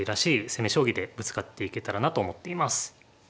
攻め将棋でぶつかっていけたらなと思っています。